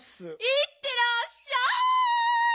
いってらっしゃい！